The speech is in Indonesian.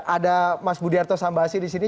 ada mas budiarto sambasi disini